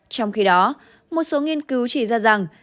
trong khi đó một số nghiên cứu chỉ ra rằng